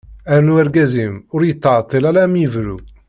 Rnu argaz-im ur yettɛeṭil ara ad m-ibru.